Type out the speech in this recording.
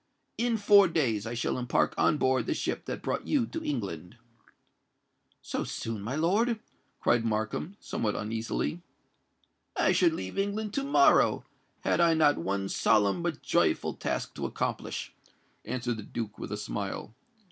In four days I shall embark on board the ship that brought you to England." "So soon, my lord?" cried Markham, somewhat uneasily. "I should leave England to morrow, had I not one solemn but joyful task to accomplish," answered the Duke with a smile.